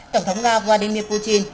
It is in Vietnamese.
tổng thống nga vladimir putin